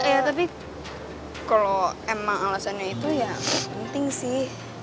ya tapi kalau emang alasannya itu ya penting sih